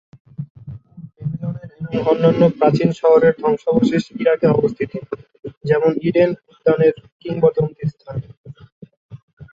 উর ব্যাবিলনের এবং অন্যান্য প্রাচীন শহরের ধ্বংসাবশেষ ইরাকে অবস্থিত, যেমন ইডেন উদ্যানের কিংবদন্তি স্থান।